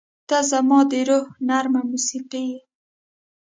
• ته زما د روح نرمه موسیقي یې.